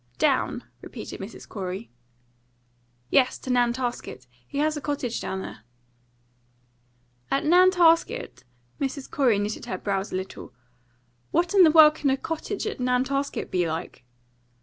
"Down?" repeated Mrs. Corey. "Yes, to Nantasket. He has a cottage down there." "At Nantasket?" Mrs. Corey knitted her brows a little. "What in the world can a cottage at Nantasket be like?"